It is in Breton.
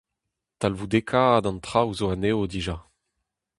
Talvoudekaat an traoù zo anezho dija.